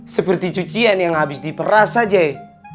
seperti cucian yang habis diperas saja ya